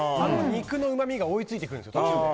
肉のうまみが追い付いてくるんですよ。